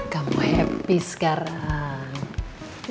kamu happy sekarang